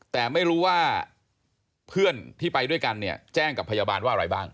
แต่ไม่รู้ว่าเพื่อนที่ไปด้วยกันเนี่ยแจ้งกับพยาบาลว่าอะไรบ้าง